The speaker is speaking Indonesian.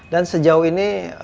dan sejauh ini